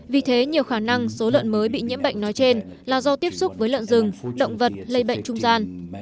vì thế nhiều khả năng số lợn mới bị nhiễm bệnh nói trên là do tiếp xúc với lợn rừng động vật lây bệnh trung gian